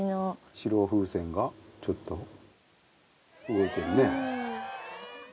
白風船がちょっと動いてるね。